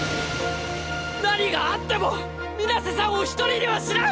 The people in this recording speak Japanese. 何があっても水瀬さんを一人にはしない！